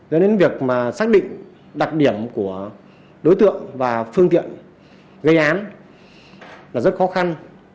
do đến việc xác định đặc điểm của đối tượng và phương tiện gây án là rất khó khăn